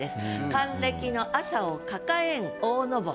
「還暦の朝を掲げん大幟」。